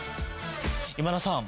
今田さん。